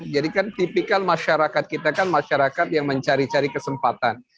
jadi kan tipikal masyarakat kita kan masyarakat yang mencari cari kesempatan